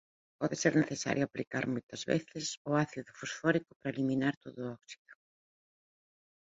Pode ser necesario aplicar moitas veces o ácido fosfórico para eliminar todo o óxido.